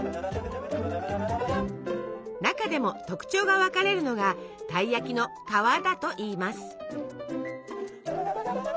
中でも特徴が分かれるのがたい焼きの「皮」だといいます。